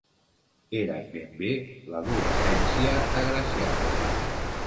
Era ben bé l'adolescència agraciada